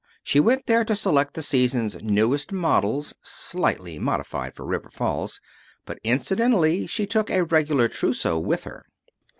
She went there to select the season's newest models (slightly modified for River Falls), but incidentally she took a regular trousseau with her.